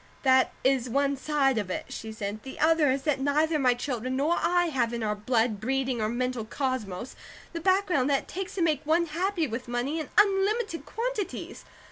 "That is one side of it," she said. "The other is that neither my children nor I have in our blood, breeding, or mental cosmos, the background that it takes to make one happy with money in unlimited quantities.